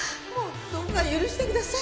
どうか許してください。